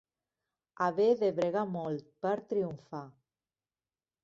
Haver de bregar molt per triomfar.